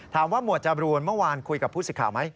หมวดจบรูนเมื่อวานคุยกับผู้สิทธิ์ข่าวไหม